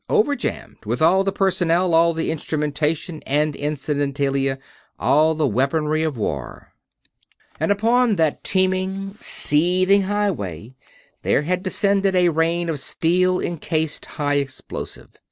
Over jammed with all the personnel, all the instrumentation and incidentalia, all the weaponry, of war. And upon that teeming, seething highway there had descended a rain of steel encased high explosive.